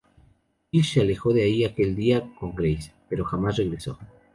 Fish se alejó de ahí aquel día, con Grace, pero jamás regresó.